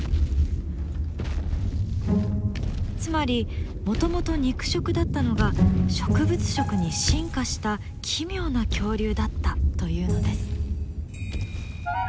つまりもともと肉食だったのが植物食に進化した奇妙な恐竜だったというのです。